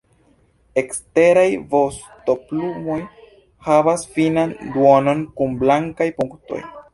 Eksteraj vostoplumoj havas finan duonon kun blankaj punktoj.